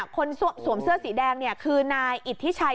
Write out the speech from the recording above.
คนสวมเสื้อสีแดงเนี่ยคือนายอิตธิชัย